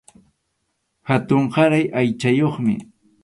Hatunkaray aychayuqmi.